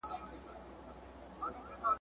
نه هنر وي چا ته پاته د لوستلو `